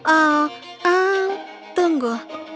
oh hmm tunggu